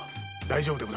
大丈夫で。